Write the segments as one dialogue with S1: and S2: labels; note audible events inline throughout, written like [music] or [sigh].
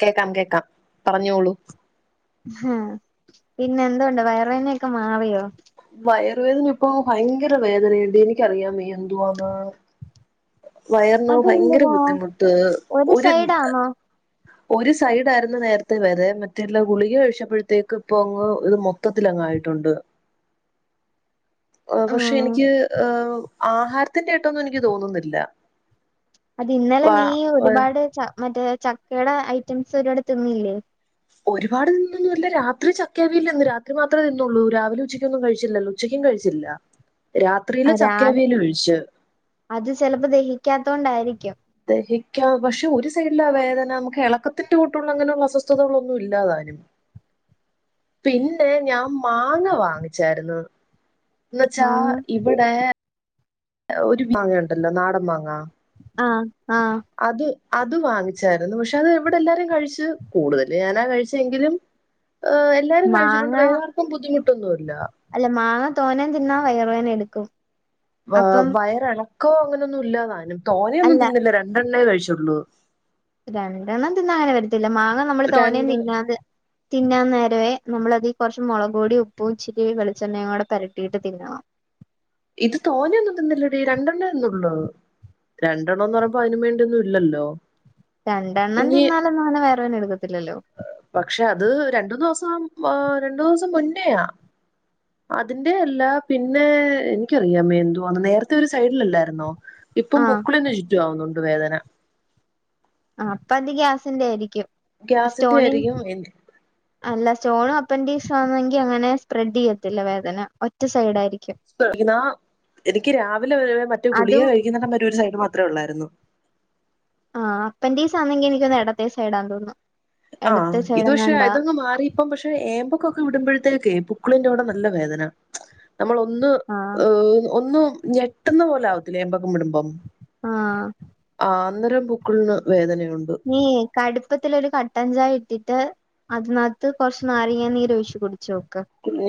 S1: കേക്കാം കേക്കാം പറഞ്ഞോളൂ
S2: ആഹ പിന്നെ എന്തുണ്ട് വയറുവേനൊക്കെ മാറിയോ
S1: വയറുവേദന പ്പൊ ഭയങ്കര വേദനയുണ്ട് എനിക്കറിയാവെയ എന്തുവാന്ന് വയർന്ന് ഭയങ്കര
S2: അതെന്തുവാ
S1: ബുദ്ധിമുട്ട് ഒരു ഗ് ഒരു സൈഡായിയിരുന്നു നേരത്തെ വരെ മറ്റേഎല്ലാ ഗുളിക കഴിച്ചപ്പോഴത്തേക്ക് ഇപ്പ അങ്ങ് ഇത് മൊത്തത്തിലങ് ആയിട്ടുണ്ട്
S2: [unintelligible]
S1: പക്ഷെ
S2: ഉം
S1: എനിക്ക് ഏ ആഹാരത്തിന്റെയ്ട്ടൊന്നും നിക്ക് തോന്നുന്നില്ല
S2: അത് ഇന്നലെ
S1: വാ
S2: നീ ഒരുപാട് ച മറ്റേ ചക്കയുടെ ഐറ്റംസ് ഒരുപട് തിന്നില്ലേ
S1: ഒരുപാട് തിന്നിട്ടൊന്നൂല്യ രാത്രി ചക്കവിയിൽ തിന്ന് രാത്രി മാത്രേ തിന്നുള്ളൂ രാവിലെമ് ഉച്ചയ്ക്കൊന്നും കഴിച്ചില്ലല്ലോ ഉച്ചക്ക് കഴിച്ചില്ല രാത്രിയില്
S2: അതാ
S1: ചക്കയവിയൽ കഴ്‌ച്ച്
S2: അത്കൊണ്ടായിരിക്കും
S1: സഹിക്കാം പക്ഷെ ഒരു സൈഡില ആ വേദന നമുക്ക് ഇളക്കത്തിന്റെ ബുദ്ധിമുട്ടുള്ള അങ്ങനെയുള്ള അസ്വസ്ഥതകള ഒന്നും ഇല്ലാതാനും
S2: [unintelligible]
S1: പിന്നെ ഞാൻ മാങ്ങ വാങ്ങിച്ചായിരുന്നു എന്ന വച്ചാ
S2: മാങ്ങ
S1: ഇവിടെ ഒരു മാങ്ങ ഉണ്ടല്ലോ നാടൻ മാങ്ങ
S2: ആഹ ആഹ
S1: അത് അത് വാങ്ങിച്ചായിരുന്നു പക്ഷെ അത് എവിടെ എല്ലാരും കഴിച്ചു കൂടുതല് ഞാനാ കഴിച്ചെങ്കിലും എല്ലാരും
S2: മാങ്ങ
S1: കിയിച്ചിട്ടുണ്ട് വേറെർക്കും ബുദ്ധിമുട്ടൊന്നുമില്ല
S2: അല്ല മാങ്ങ തോന്ന തിന്നാ വയറുവേനടുക്കും
S1: വയറിളക്കോ അങ്ങനെൊന്നും ഇല്ലാതാനും തോനെയൊന്നും
S2: അല്ല
S1: തിന്നില്ല രണ്ടെണ്ണ കഴിച്ചോള്ളൂ കഴിച്ചൊള്ളു
S2: രണ്ടെണ്ണം തിന്നാ ങ്ങനെ വരത്തില്ല അ നമ്മള് തോനയും
S1: രണ്ട്
S2: തിന്നാതെ തിന്നാൻ നേരവേനമ്മളതി കുറച്ച് മുളകുപ്പൊടി ഉപ്പും ഇച്ചിരി വെളിച്ചെണ്ണയും കൂടെ പെരട്ടിയിട്ട് തിന്നണം
S1: ഇത് തോനെയൊന്നും തിന്നില്ലടി രണ്ടണ്ണെ ലെ ഒള്ളു രണ്ടെണ്ണൊന്ന് പറയുമ്പോ അതിനും വേണ്ടിയൊന്നും ഇല്ലല്ലോ
S2: രണ്ടെണ്ണം
S1: ഇനി
S2: തിന്നാലന്നും അങ്ങനെ വയറുവേദന എടുക്കത്തില്ലല്ലോ
S1: പക്ഷെ അത് രണ്ടു ന്ന്ദിവസം രണ്ടു ന്ന് ദിവസം മുന്നയാ അതിന്റെ അല്ല പിന്നെ എനിക്കറിയാമേല എന്തുവാ നേരത്തെ ഒരു സൈഡിലല്ലായിരുന്നോ ഇപ്പം
S2: ആഹ്
S1: പൊക്കളിന്ന് ചുറ്റും ആവുന്നുണ്ട് വേദന
S2: ആ അപ്പൊ അത് ഗ്യാസിന്റെ ആയിരിക്കും
S1: ഗ്യാസിന്റെ
S2: സ്റ്റോണിഅല്ല
S1: ആയിരിക്കും
S2: സ്റ്റോണ് അപ്പൻ്റീസ് ആണെങ്കിൽ അങ്ങനെ സ്പ്രെഡ് ചെയ്യത്തില്ല വേദന ഒറ്റ സൈഡ് ആയിരിക്കും
S1: എനിക്ക് രാവിലെ മറ്റു ഗുളിക
S2: അതും
S1: കഴിക്കുന്നടം വരെ ഒരു സൈഡ് അത്ര ഉള്ളായിരുന്നു
S2: അപ്പൻ്റീസ് ആണെങ്കിൽ എനിക്ക് തോന്നുന്നു ഇടത്തെ സൈഡാണെന്ന് തോന്നുന്നു
S1: ആ
S2: എടത്തെ
S1: ഇത് പക്ഷെ
S2: സൈഡെങ്ങാണ്ടാ
S1: ഇതൊന്ന് മാറിയപ്പം പക്ഷെ ഏമ്പൊക്കം വിടുമ്പോഴത്തേക്കേ പുക്കിളിന്റെ അവിടെ നല്ല വേദന നമ്മളൊന്ന്
S2: ആഹ്
S1: ഒന്ന് ഞെട്ടുന്ന പോലാ ആവത്തില്ലേ ഏമ്പൊക്കം വിടുമ്പം
S2: ആ
S1: ആഹ് അന്നേരം പുക്കിളിന് വേദനയുണ്ട്.
S2: നീയെ കടുപ്പത്തിലൊരു കട്ടഞ്ചായ ഇട്ടി ട്ട് അതിനകത്ത് കുറച്ച് നാരങ്ങ നീര് ഒഴിച്ച് കുടിച്ചോ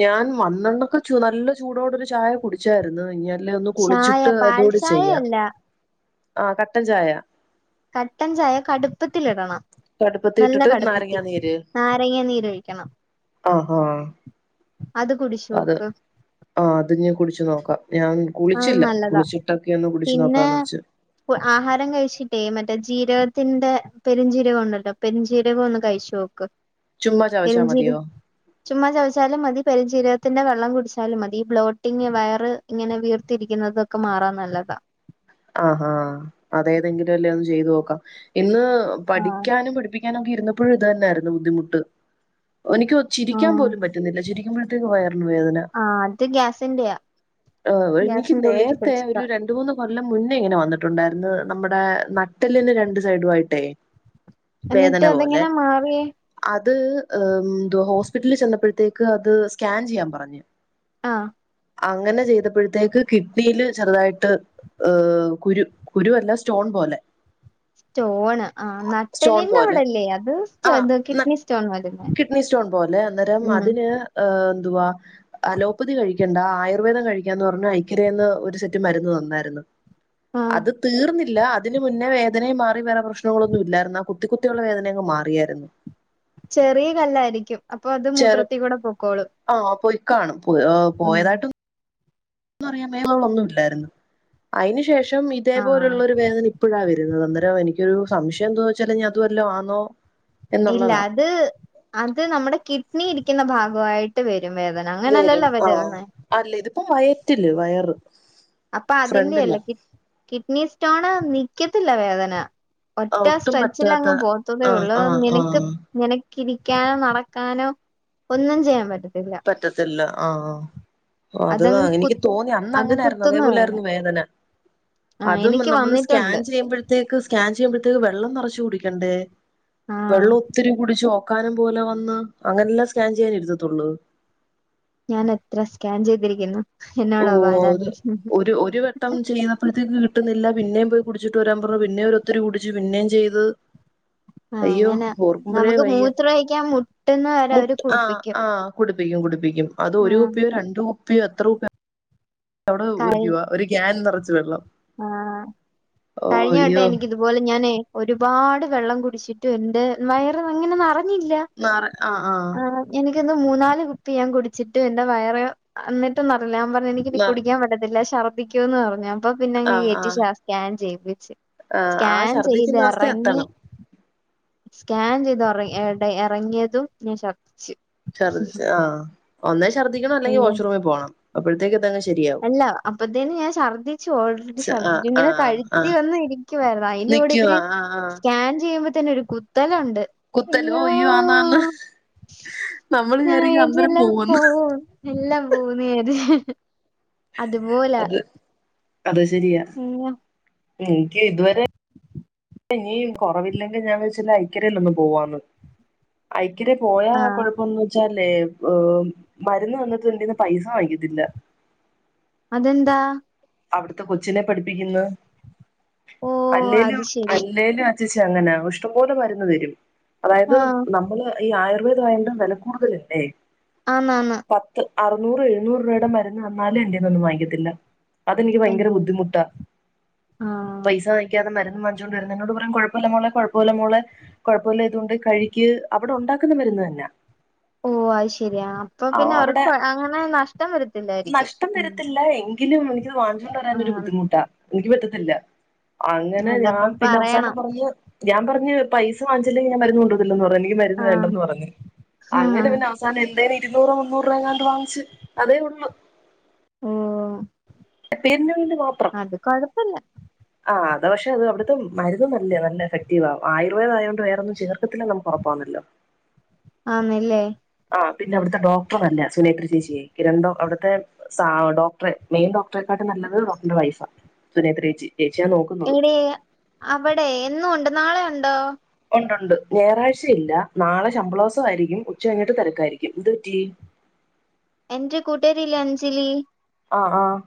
S1: ഞാൻ വന്നന്നൊക്കെക്കെ ചു നല്ല ചൂടോടൊരു ചായ കുടിച്ചാരുന്നു ഞാൻ അല്ലാ ഒന്ന്
S2: ചായ
S1: കുളിച്ചിട്ട്
S2: പാൽ
S1: അതൂടെ ചെയ്യാം
S2: ചായയല്ല
S1: ആ കട്ടൻ ചായ
S2: കട്ടൻ ചായ കടുപ്പത്തിലിടണം
S1: കടുപ്പത്തി
S2: നല്ല
S1: ഇട്ടിട്ട്
S2: കടപ്പത്തി
S1: നാരങ്ങാ
S2: നാരങ്ങ നീരൊഴിക്കണം
S1: ആഹാ
S2: അത് കുടിച്ച്
S1: അത്
S2: നോക്ക്
S1: ആ അത് ഞാൻ കുടിച്ചു നോക്കാം ഞാൻ
S2: ആ
S1: കുളിച്ചില്ല
S2: നല്ലതാ
S1: കുളിച്ചിട്ടൊക്കെ ഒന്ന് കുടിച്ചു
S2: പിന്നേ
S1: നോക്കാന്ന് വെച്ച്
S2: ആഹാരം കഴിച്ചിട്ടേ മ മ ജീരകത്തിന്റെ പെരിഞ്ചീരകം ഒണ്ടല്ലോ പെരിഞ്ചീരകം ഒന്ന് കഴിച്ചോക്ക്
S1: ചുമ്മാ ചവച്ചാ
S2: പെരിഞ്ചിരം
S1: മതിയോ
S2: ചുമ്മാ ചവച്ചാലും മതി പെരിഞ്ചീരക ത്തിന്റെ വെള്ളം കുടിച്ചാലും മതി ബ്ലോട്ടിംഗ് വയറ് ഇങ്ങനെ വീർത്തി രിക്കുന്നതൊക്കെ മാറാൻ നല്ലതാ
S1: ആഹാ അതേതെങ്കിലും എല്ലേ ഒന്ന് ചെയ്തു നോക്കാം ഇന്ന്
S2: ആഹ്
S1: പഠിക്കാനും പഠിപ്പിക്കാനും ഒക്കെ ഇരുന്നപ്പോഴും ഇത് തന്നെയായിരുന്നു ബുദ്ധിമുട്ട് എനിക്ക് ചിരിക്കാൻ
S2: ആഹ്
S1: പോലും പറ്റുന്നില്ല ചിരിക്കുമ്പോഴത്തേക്ക് വയറിന് വേദന
S2: ആഹ് അത് ഗ്യാസിന്റെയാ
S1: ആ എനിക്ക്
S2: ഗ്യാസിന്റെ ഉള്ളിക്ക്
S1: നേരത്തെ ഒരു
S2: പിടിച്ചിട്ടാ
S1: രണ്ടുമൂന്ന് കൊ മുന്നേ ഇങ്ങനെ വന്നിട്ടുണ്ടായിരുന്ന് നമ്മുടെ നട്ടലിന് രണ്ടു സൈഡു ആയിട്ടേ
S2: എന്നിട്ട്
S1: വേദന പോലെ
S2: അതെങ്ങനെ മാറിയേ
S1: അ അത് ഹോസ്പിറ്റലിൽ ചെന്നപ്പോഴത്തേക്ക് അത് സ്കാൻ ചെയ്യാൻ പറഞ്ഞു
S2: ആ
S1: അങ്ങനെ ചെയ്തപ്പോഴത്തേക്ക് കിഡ്നിയില് ചെറുതായിട്ട് ഏഹ് കുരു കുരുവല്ല സ്റ്റോൺ പോലെ
S2: സ്റ്റോണ് ആ
S1: സ്റ്റോൺ
S2: നട്ടലിന്റെ
S1: പോലെ
S2: അവിടല്ലേ അത്
S1: ആഹ്
S2: ഇത്
S1: ന
S2: കിഡ്നി സ്റ്റോണ്
S1: കിഡ്നി സ്റ്റോൺ പോലെ അന്നേരം അതിന് എന്തുവാ അലോപ്പതി കഴിക്കണ്ട ആയുർവേദം കഴിക്കാന്ന് പറഞ്ഞു ഐക്കരേന്ന് ഒരു സെറ്റ് മരുന്ന് തന്നായിരുന്ന്
S2: ആഹ്
S1: അത് തീർന്നില്ല അതിന് മുന്നേ വേ വേദനയും മാറി വേറെ പ്രശ്നങ്ങളൊന്നും ഇല്ലായിരുന്ന് ആ കുത്തി കുത്തികുത്തിയുള്ള വേദനയങ്ങ് മാറിയാരുന്ന്
S2: ചെറിയ കല്ലാരിക്കും അപ്പൊ അത്
S1: ചെറു
S2: മൂത്രത്തി കൂടെ പൊക്കോളും
S1: ആ പോയി കാണും
S2: ഉം
S1: പോയോപോയതായിട്ടും പറയാമേലകളൊന്നുമില്ലായിരുന്നു അയിനു ശേഷം -
S2: ആഹ്
S1: ഇതേപോലൊള്ളൊരു വേദന ഇപ്പോഴാ വരുന്നത് എ എനിക്കൊരു സംശയം എന്തോന്നച്ചാല് ഇനി അതുവല്ലോ ആന്നോ
S2: ഇല്ല
S1: എന്നുള്ളതാ
S2: അത് അത് നമ്മടെ കിഡ്നി ഇരിക്കുന്ന ഭാഗവായിട്ട് വരും റ്റും വേദന അങ്ങനെയല്ലല്ലോ [unintelligible]
S1: അപ്പം വയറ്റില് വയറ്
S2: അപ്പൊ
S1: ഫ്രണ്ടില്ല
S2: അതിന്റെയല്ല കിഡ്നി സ്റ്റോണ് നിക്കത്തില്ല വേദന
S1: ആ
S2: ഒറ്റ
S1: ഒട്ടും
S2: സ്ട്രെച്ചിൽ
S1: പറ്റാത്ത
S2: അങ്ങ് പോത്തതേ
S1: ആ
S2: ഉള്ളൂ
S1: ആ ആ
S2: നിനക്ക് നിനക്ക് ഇരിക്കാനോ നടക്കാനോ ഒന്നും ചെയ്യാൻ പറ്റ
S1: പറ്റത്തില്ല ആ അത്
S2: അതങ്ങ് കു
S1: എനിക്ക് തോന്നി അന്ന്
S2: അത്
S1: അങ്ങനായിരുന്നു
S2: കുത്തുന്ന
S1: അതേപോലൊയിരുന്നു വേദന
S2: ആഹ്
S1: അതും
S2: എനിക്ക്
S1: നമ്മള് സ്കാൻ
S2: വന്നിട്ടുണ്ട്
S1: ചെയ്യുമ്പഴത്തേക്ക് സ്കാൻ ചെയ്യുമ്പഴ വെള്ളം നിറച്ച് കുടിക്കണ്ടേ
S2: ആഹ്
S1: വെള്ളം ഒത്തിരി കുടിച്ച് ഒക്കാനും പോലെ വന്ന് അങ്ങനെല്ലാം സ്കാൻ ചെയ്യാൻ ഇരുത്തതൊള്ളൂ
S2: ഞാൻ എത്ര സ്കാൻ ചെയ്തിരിക്കുന്നു
S1: ഓ
S2: എന്നോടാ ബാല
S1: അത്
S2: നീ
S1: ഒരു ഒരു വട്ടം ചെയ്തപ്പോഴത്തേക്ക് കിട്ടുന്നില്ല പിന്നെയും പോയി കുടിച്ചിട്ട് വരാൻ പറഞ്ഞു പിന്നെഒരൊത്തിരി കുടിച്ചു പിന്നെയും ചെയ്ത്
S2: ആഹ്
S1: അയ്യോ
S2: അങ്ങനെ
S1: ഓർക്കുമ്പോഴേ
S2: നമുക്ക്
S1: വയ്യ
S2: മൂത്രൊഴിക്കാൻ മുട്ടുന്ന വരെ അവര്
S1: ആ
S2: കുടിപ്പിക്കും
S1: ആ കുട കുടിപ്പിക്കും കുടുപ്പിക്കും അത് ഒരു
S2: ആഹ്
S1: കുപ്പിയോ രണ്ട് കുപ്പിയോ എത്ര അവിടെ ഒരു രൂപ ഒരു ക്യാൻ നിറച്ച് വെള്ളം
S2: ആ
S1: ഓ
S2: കഴിഞ്ഞ വട്ടം
S1: അയ്യോ
S2: എനിക്കിതുപോലെ ഞാനേ ഒരുപാട് വെള്ളം ടിച്ചിട്ടണ്ട് വയറ് ഇങ്ങനെ
S1: നറ ആ ആ
S2: എന്ന് മൂന്നാല് കുപ്പി ഞാൻ കുടിച്ചിട്ട് എന്റെറെ വയറ് എന്നിട്ടും നിറഞ്ഞില്ല ഞാൻ പറഞ്ഞ എനിക്കിനി കുടിക്കാൻ പറ്റത്തില്ല ഛർദ്ദിക്കോന്ന് പറഞ്ഞു അപ്പൊ
S1: ആ
S2: പിന്നെങ്ങ്
S1: ആ
S2: കേറ്റി സ്കാൻ ചെയ്യിപ്പിച്ച്
S1: ആ ആ
S2: സ്കാൻ ചെയ്ത്
S1: ഛർദിക്കുന്ന അവസ്ഥ
S2: ഇറങ്ങി
S1: എത്തണം
S2: സ്കാൻ ചെയ്ത് ഇറങ്ങിയതും ഞാൻ ഛർദ്ദിച്ചു
S1: ഛർദ്ദിച്ചു ആ ഒന്നേ ഛർദ്ദിക്കണം അല്ലെങ്കിൽ
S2: അയ്യോ
S1: വാഷ്റൂമിൽ പോകണം അതങ്ങ് ശരിയാവും
S2: അല്ല അപ്പത്തേന് ഞാൻ ഛർദ്ദിച്ചു ഓൾറെഡി
S1: ആഹ്
S2: ഛർദ്ദിച്ചു ഇങ്ങനെ കഴുത്തി വന്ന ഇരിക്കുവായിരുന്നു അതിൻന്റെ കൂടെ ഇവര്
S1: ആ
S2: സ്കാൻ ചെയ്യുമ്പോ തന്നെ ഒരു കുത്തല ഉണ്ട്
S1: കുത്തലോ
S2: അയ്യോ
S1: ആന്നാന്ന് നമ്മള്
S2: ആ
S1: വിചാരിക്കും അന്നേരം
S2: ഇതെല്ലാം
S1: പോവൂന്ന്
S2: പോകും എല്ലാം പോം നേര് അതുപോലാ
S1: അത ശരിയാ എനിക്ക് ഇതുവരെ ഇനിയും കുറവില്ലെങ്കിൽ ഞാൻ വെച്ചില്ല ഐക്കരൽ ഒന്ന് പോവാന്ന് ഐക്കരെ പോയാ
S2: ആഹ്
S1: കൊഴപ്പംന്ന് വെച്ചാലേ ഏ മരുന്ന് തന്നിട്ടും ൻ്റന്ന് പൈസ വാങ്ങിക്കത്തില്ല
S2: അതെന്താ
S1: അവിടുത്തെ കൊച്ചിനെ പഠിപ്പിക്കുന്നു
S2: ഓ
S1: അല്ലേലും
S2: അത് ശരി
S1: അല്ലേലും ചേച്ചി അങ്ങനാ ഇഷ്ടം പോലെ മരുന്ന് തരും അതായത്
S2: ആഹ്
S1: നമ്മള് ഈ ആയുർവേദം ആയൊണ്ട് വില കൂടുതലല്ലേ
S2: ആന്ന് ആന്ന്
S1: പത്ത് അറുന്നൂറ് എഴുുന്നൂറ് രൂപയുടെ മരുന്ന് വന്നാലും എന്ററെന്നൊന്നും വാങ്ങിയത്തില്ല അതെനിക്ക് ഭയങ്കര
S2: അയ്യോ
S1: ബുദ്ധിമുട്ടാ
S2: ആഹ്
S1: പൈസ വാങ്ങിക്കാതെ മരു വാങ്ങിഞ്ചോണ്ട് വരുന്നു എന്നോട് പറയാ കുഴപ്പമില്ല മോള കുഴപ്പമില്ല മോളെ കുഴപ്പമില്ല ഇതുകൊണ്ട് കഴിക്ക് അവിടെ ഉണ്ടാക്കുന്ന മരുന്നാ അതന്നെ
S2: ഓ അത് ശരിയാ അപ്പൊ പിന്നെ
S1: അവിടെ
S2: അവർക്ക് അങ്ങനെ നഷ്ടം വരത്തില്ലായിരിക്കും
S1: നഷ്ടം വരത്തില്ല എങ്കിലും എനിക്കത് വാങ്ങിച്ചൊണ്ട് വരാൻൊരു
S2: ആഹ്
S1: ബുദ്ധിമുട്ടാ എനിക്ക് പറ്റത്തില്ല അങ്ങനെ ഞാൻ
S2: അതപ്പൊ
S1: പിന്നെ അവസാനം
S2: പറയണം
S1: പറഞ്ഞ് ഞാൻ പറഞ്ഞ് പൈസ വാങ്ങിച്ചില്ലെങ്കിൽ ഞാൻ മരുന്നുകൊണ്ടു പോകത്തില്ല വേണ്ടന്ന് പറഞ്ഞ് എനിക്ക് മരുന്ന്
S2: ആഹ്
S1: വേണ്ടന്ന് പറഞ്ഞ് അങ്ങനെ
S2: ആഹ്
S1: പിന്നെ അവസാനം എ ഇരുന്നൂറോ മുന്നൂറ് രൂപങ്ങാണ്ട് വാങ്ങിച്ചു അതേ ഉള്ളു
S2: ഓ
S1: പിന്നെ
S2: അത് കൊഴപ്പല്ല.
S1: അത പക്ഷെ അത് അവിടുത്തെ മരുന്ന് നല്ലയാ നല്ല എഫക്റ്റീവാ ആയുർവേദായത്കൊണ്ട് വേറൊന്നും ചേർക്കത്തിലാന്ന് നമുക്കൊറപ്പാന്നല്ലോ.
S2: ആന്നലെ.
S1: പിന്നെ അവിടുത്തെ ഡോക്ടർനലയ സുനേത്രിചേച്ചിയേ കിരൺടൊ അവിടുത്തെ സാ ഡോക്ടറെ മെയിൻ ഡോക്ടറെക്കാ ലും നല്ലത് ഡോക്ടറന്റെ വൈഫ സുനേത്രേചി.
S2: എവിടെ അവിടെ എന്നും ഉണ്ട് നാളെ ഉണ്ടോ.
S1: ണ്ടുണ്ട് ഞായാഴ്ച ഇല്ല നാളെ ശമ്പള്ളോസം ആയിരിക്കും ഉച്ച കഴിഞ്ഞിട്ട് തിരക്കായിരിക്കും എന്ത് പറ്റി.
S2: എന്റെ കുട്ടാരില്യേ അഞ്ജലി.
S1: ആഹ ആഹ.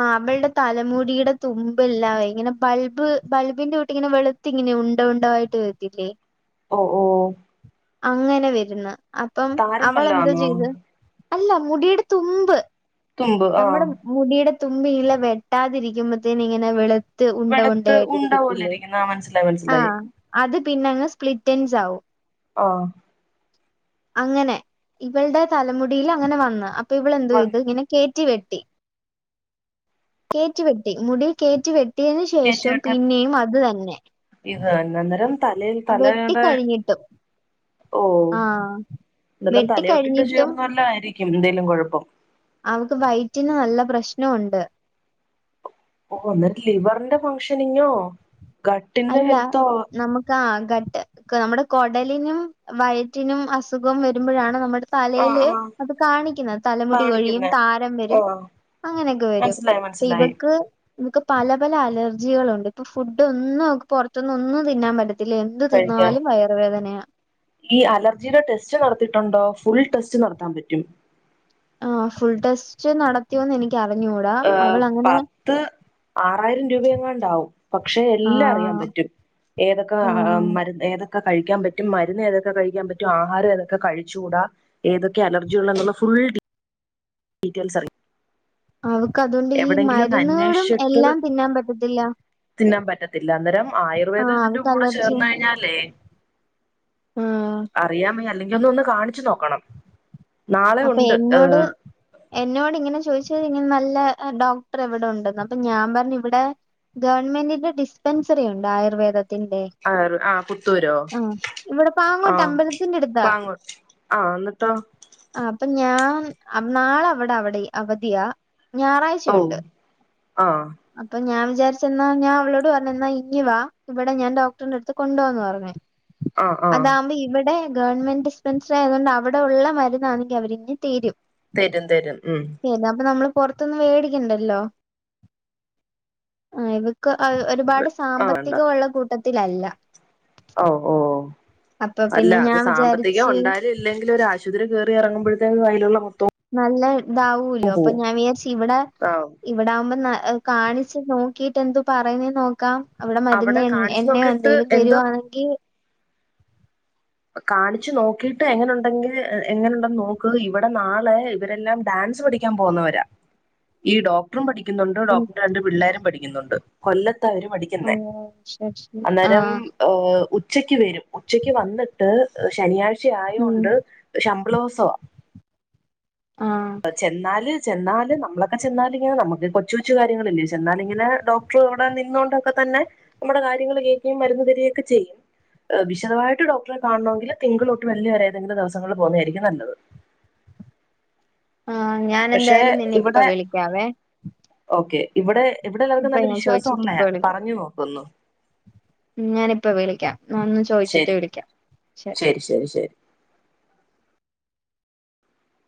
S2: ആഹ. അവളുടെ തലമുടിയുടെ തുമ്പലാവേ ഇങ്ങനെ ബൾബ് ബൾബിന്റോട്ടെ ഇങ്ങനെ വെളുത്തി ഇങ്ങനെ ഉണ്ട. ണ്ടായിട്ട് വരത്തില്ലേ.
S1: ഓ ഓ.
S2: അങ്ങനെ വരുന്ന അപ്പം
S1: താരൻ
S2: അവളെന്തോ
S1: വല്ലതാന്നോ
S2: ചെയ്ത് അല്ല മുടിയുടെ തുമ്പ്
S1: തുമ്പ് ആഹ്
S2: നമ്മുടെ മുടിയുട. തുമ്പില്ല വെട്ടാതിരിക്കുമ്പത്തേന ഇങ്ങനെവെളു ത്ത് ഉണ്ടൊണ്ട
S1: വെളുത്ത് ഉണ്ട പോലെ
S2: ആയിട്ടരിക്കത്തില്ലേ
S1: ഇരിക്കുന്ന ആഹ് മനസ്സിലായി
S2: ആ
S1: മനസ്സിലായി
S2: അത്. പിന്നെ അങ് സ്പ്ലിറ്റൻസ് ആകും.
S1: [unintelligible]
S2: അങ്ങനെ ഇവളുടെ തലമുടിയിൽ അങ്ങനെ വന്ന് അപ്പൊ ഇവൾ
S1: വന്ന്
S2: എന്തോയ്ത് ഇങ്ങനെ കെ റ്റി വെട്ടി കേറ്റി വെട്ടി മുടി കേറ്റി വെട്ട്ടി ട്ടിയന് ശേഷം പിന്നെയും അതു തന്നെ.
S1: ആ അന്നന്നരം തലയിൽ
S2: വെട്ടി
S1: തലയൊടെ
S2: കഴിഞ്ഞിട്ടും
S1: ഓ
S2: ആ
S1: ഇതെല്ലാം തലയൊട്ടിട്ട
S2: വെട്ടിക്കഴിഞ്ഞിട്ടും
S1: ചേർന്നവലോം ആയിരിക്കും എന്തേലും കൊഴപ്പം.
S2: അവക്ക് വയറ്റിന് നല്ല പ്രശ്നൊണ്ട്
S1: ഓ എന്നിട്ട് ലിവറിന്റെ ഫംഗ്ഷനിങ്ങോ ഗട്ടിന്റെ ഹെൽത്തോ
S2: ഘട്ട് നമ്മുടെ കൊടലിനും വയറ്റിനും അസുഖം വരുമ്പോഴാണ് നമ്മുടെ
S1: ആ
S2: തലയില്
S1: ആ
S2: അത് കാണിക്കുന്ന തലമുടി കൊഴിയും
S1: കാണിക്കുന്നെ
S2: താരൻ
S1: ആ
S2: വരും. അങ്ങനെയൊക്കെ വരും
S1: മനസ്സിലായി
S2: അപ്പൊ
S1: മനസ്സിലായി
S2: ഇവക്ക് വക്ക് പല പല അലർജികളുണ്ട് ഇപ്പൊ ഫുഡ് ഒന്നും അവക്ക് പൊറത്തിന്നൊന്നും തിന്നാൻ പറ്റത്തില.
S1: കഴിക്ക ഈ അലർജിയുടെ ടെസ്റ്റ് നടത്തിയിട്ടുണ്ടോ ഫുൾ ടെസ്റ്റ് നടത്താൻ പറ്റും.
S2: ആ ഫുൾ ടെസ്റ്റ് നടത്തിയോന്ന് എനിക്ക് അറിഞ്ഞൂടാ
S1: ആ
S2: അവളങ്ങനെ
S1: പത്ത് ആറായിരം രൂപ എങ്ങാണ്ടാവും പക്ഷെ
S2: ആ
S1: എല്ലാം അറിയാൻ പറ്റും. ഏതൊക്കെ
S2: ആ
S1: മരുന്ന് ഏതൊ ക്കെ കഴിക്കാൻ പറ്റും മരുന്ന് ഏതൊക്കെ കഴിക്കാൻ പറ്റും ആഹാരം തൊക്കെ കഴിചൂട ഏതൊക്കെ അലർജിയുള ഫുൾ ഡീ ഡീറ്റെയിൽസ് അറിയാ.
S2: അവക്ക് അതുകൊണ്ട് ഈ മരുന്നുകളും
S1: അന്വേഷിച്ചിട്ട്
S2: എല്ലാം തിന്നാൻ പറ്റത്തില്ല
S1: ഇല്ലന്നെരം
S2: ആ
S1: ആയുർവേദം ഇതിന്റെ
S2: അവക്ക്
S1: കൂടെ
S2: അലർജിയാ
S1: ചേർന്ന് കഴിഞ്ഞാലേ അറിയാമ അല്ലെകിലൊഒന്ന് കാണിച്ചു നോക്കണം. നാളെ
S2: അപ്പൊ
S1: ഉണ്ട്
S2: എന്നോട് എന്നോട് ഇങ്ങനെ ചോദിച്ച നല്ല ഡോക്ടർ എവിടെ ഉണ്ടന്ന് അപ്പൊ ഞാൻ പറഞ്ഞു ഇവിടെ ഗവൺമെന്റിന്റെ ഡിസ്പെൻസറി ഉണ്ട് ആയുർവേദത്തിന്റെ
S1: ആ പുത്തൂരോ
S2: ആഹ ഇവിടെ പാങ്ങോട്ട്
S1: ആഹ്
S2: അമ്പലത്തിന്റെടുത്താ.
S1: വാ അങ്ങോട്ട് ആഹ് എന്നിട്ടോ
S2: ആ അപ്പൊ ഞാൻ നാളെ അവിടെ അവിടെ അവധിയാ.
S1: ഓ
S2: ഞായറാഴ്ചയുണ്ട്
S1: ആഹ്
S2: അപ്പൊ ഞാൻ. വിചാരിച്ച എന്നാ ഞാൻ അവളോട് പറഞ്ഞാ ഇങ്ങി വാ ഇവിടെ ഞാൻ ഡോക്ടറിന്റെടുത്ത് കൊണ്ടോവാന്ന് പറഞ്.
S1: ആഹ് ആഹ്
S2: അതാകുമ്പോ ഇവിടെ ഗവൺമെന്റ് ഡിസ്പെൻസറി ആയതൊണ്ട് അവിടെ ഉള്ളവര് ഇതാണെകിൽ അവരിന്ന് തീരും.
S1: തരും തരും ഉം
S2: പുറത്തന്ന് വേടിക്കണ്ടല്ലോ ആ ഇ [unintelligible] ഒരുപാട്
S1: ആഹ് വേണ്ട
S2: സാമ്പത്തികഉള്ള കുട്ടത്തിലല്ലാ
S1: ഓ ഓ അല്ല
S2: പിന്നെ
S1: അത്
S2: ഞാൻ
S1: സാമ്പത്തികം
S2: വിചാരിച്ച്
S1: ഉണ്ടായാലും ഇല്ലെങ്കിലും ഒരു ആശുപത്രി കയറി ഇറങ്ങുബോയത്തേക്കും കയ്യിലുള്ള മൊത്തം.
S2: നല്ല ഇതാവല്ലോ, അപ്പൊ ഞാൻ വിചാരിച്ച് ഇവിടെ
S1: ആഹ്
S2: ഇവിടെ ആവുമ്പോ [unintelligible] കാണിച്ച് നോക്കിട്ട് എന്തു പറയുന്നേ നോക്കാം. അവിടെ മരുന്ന് എ
S1: കാണിച്ചു
S2: എണ്ണയോ
S1: നോക്കിട്ട്
S2: എന്തെലും
S1: എന്തോ
S2: തരുവാണെങ്കിൽ.
S1: കാണിച്ചു നോക്കിട്ട് എങ്ങനെുണ്ടെങ്കിൽ എങ്ങനുണ്ടന്ന് നോക്ക് ഇവിടെ നാളെ ഇവരെല്ലാം ഡാൻ ഡാൻസ് പഠിക്കാൻ പോകുന്നവരാ ഈ ഡോക്ടറും പഠി പഠിക്കുന്നുണ്ട്. ഡോക്ടർ ആയിട്ട് രണ്ട് പിള്ളേരും പഠിക്കുന്നുണ്ട്. കൊല്ല പഠിക്കുന്ന അന്നേരം
S2: ആഹ്
S1: ഉച്ചക്ക് വരും ഉച്ചക്ക് വന്ന് ശനിയാഴ്ച
S2: ഉം
S1: ആയൊണ്ട് ശമ്പളോത്സവം
S2: ആഹ്
S1: അ ചെന്നാല് ചെന്നൽ, നമ്മളക്കെ ചെന്നാൽ നമ്മുക്കൊക്കെ കൊച്ചുവച്ച് കാര്യങ്ങളിൽ ചെന്നാൽ ഇങ്ങനെ ഡോക്ടർ അവിടെ നിന്നൊണ്ടൊക്കെ [unintelligible] നമ്മുടെ കാര്യങ്ങൾ കേൾക്കുകയും മരുന്ന് തരുക്കെ ചെയ്യും. വിശദമായിട്ട് ഡോക്ടറെ കാണമെങ്കിൽ തിങ്കൾ തൊട്ട് വെള്ളി വരെ ഏതെങ്കിലും ദിവസങ്ങൾ പോകുന്നതായിരിക്കും നല്ലത്.
S2: [inaudible] ഞാൻ
S1: പക്ഷെ
S2: എന്തായാലും നിന്നെ ഇപ്പ
S1: ഇവിടെ
S2: വിളിക്കാവേ
S1: ഓക്കേ. ഇവിടെ ഇവിടെ എല്ലാവർക്കും
S2: ഇപ്പൊ
S1: നല്ല
S2: ഞാൻ
S1: വിശ്വാസം
S2: ചോദിച്ചിട്ട്
S1: ഉള്ള പറഞ്ഞു നോക്ക് ഒന്ന്.
S2: ഞാനിപ്പം വിളിക്കാം ഒന്ന് ചോയിച്ചിട്ട്
S1: ശരി
S2: വിളിക്കാം.
S1: ശരി ശരി ശരി